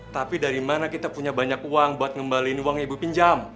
tapi dari mana kita punya banyak uang buat ngembalin uang ibu pinjam